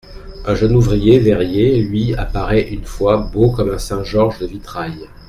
Un jeune ouvrier verrier lui apparaît une fois, beau comme un saint Georges de vitrail.